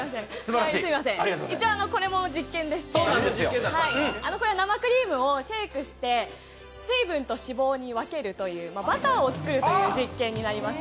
一応これも実験でしてこれは生クリームをシェイクして水分と脂肪に分けるという、バターを作るという実験になります。